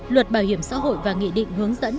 luật bảo hiểm xã hội và nghị định hướng dẫn